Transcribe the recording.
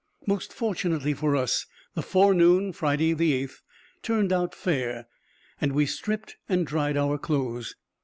Most fortunately for us, the forenoon, Friday 8th, turned out fair, and we stripped and dried our clothes.